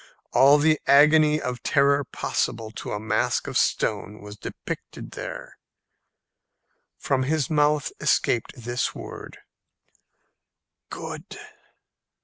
All the agony of terror possible to a mask of stone was depicted there. From his mouth escaped this word, "Good!"